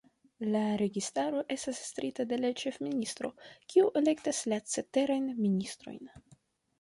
La registaro estas estrita de la Ĉefministro, kiu elektas la ceterajn ministrojn.